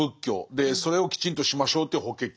でそれをきちんとしましょうという「法華経」。